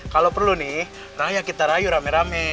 kalo perlu nih ray yang kita rayu rame rame